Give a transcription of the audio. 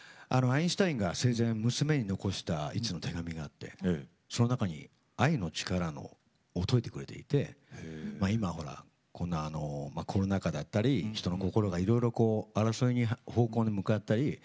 アインシュタインが生前娘に残した１通の手紙があってその中に愛の力のを説いてくれていて今ほらこんなコロナ禍だったり人の心がいろいろこう争いの方向に向かったり